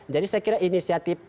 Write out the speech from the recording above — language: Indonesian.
jadi saya kira inisiatif